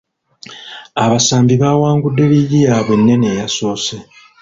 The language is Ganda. Abasambi baawangudde liigi yaabwe ennene eyasoose.